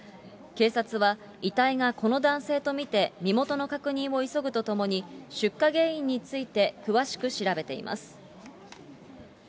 警察は、遺体がこの男性と見て、身元の確認を急ぐとともに、出火原因について詳しく調べています。